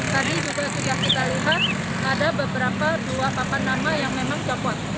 tadi juga sudah kita lihat ada beberapa dua papan nama yang memang copot